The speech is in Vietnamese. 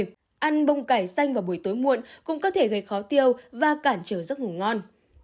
đồ ăn bông cải xanh vào buổi tối muộn cũng có thể gây khó tiêu và cản trở giấc ngủ ngon